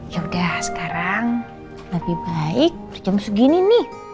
yaudah sekarang lebih baik jam segini nih